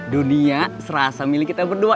dunia serasa milik kita berdua